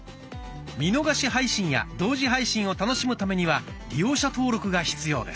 見逃し配信や同時配信を楽しむためには利用者登録が必要です。